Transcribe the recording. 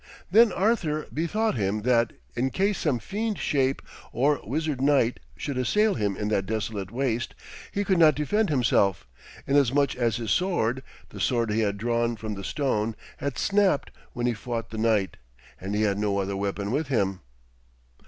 Then Arthur bethought him that, in case some fiend shape or wizard knight should assail him in that desolate waste, he could not defend himself, inasmuch as his sword the sword he had drawn from the stone had snapped when he fought the knight, and he had no other weapon with him.